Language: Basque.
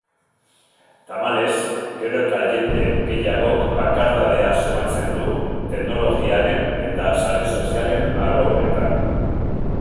Tamalez, gero eta jende gehiagok bakardadea somatzen du teknologiaren eta sare sozialen aro honetan.